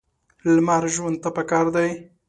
لمر ژوند ته پکار دی.